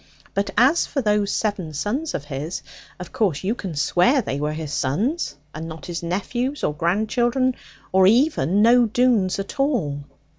But as for those seven sons of his, of course you can swear that they were his sons and not his nephews, or grandchildren, or even no Doones at all?'